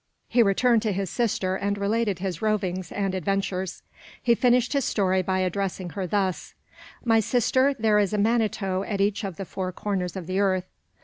He returned to his sister and related his rovings and adventures. He finished his story by addressing her thus: "My sister, there is a manito at each of the four corners of the earth.